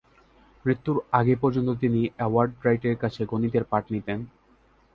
মৃত্যুর আগে পর্যন্ত তিনি এডওয়ার্ড রাইটের কাছে গণিতের পাঠ নিতেন।